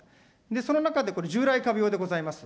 その中でこの従来株用でございます。